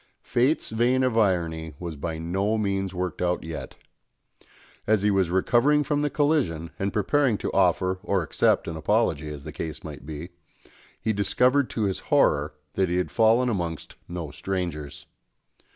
Fate's vein of irony was by no means worked out yet. As he was recovering from the collision, and preparing to offer or accept an apology, as the case might be, he discovered to his horror that he had fallen amongst no strangers.